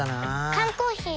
缶コーヒー